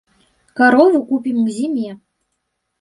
Карову купім к зіме.